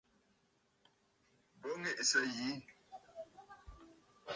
Bo ŋì’ìsǝ̀ yi.